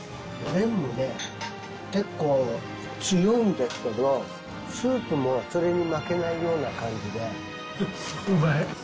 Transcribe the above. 麺もね結構強いんですけどスープもそれに負けないような感じで。